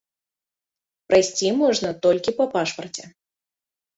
Прайсці можна толькі па пашпарце.